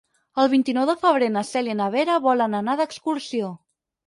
El vint-i-nou de febrer na Cèlia i na Vera volen anar d'excursió.